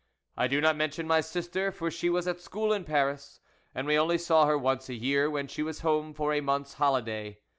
I do not mention my sister, for she was at school in Paris, and we only saw her once a year, when she was home for a month's holiday.